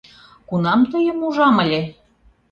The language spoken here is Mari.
— Кунам тыйым ужам ыле?